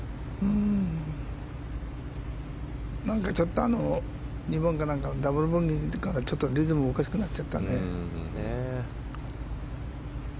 何かちょっとダブルボギー打ってからちょっとリズムがおかしくなっちゃったね。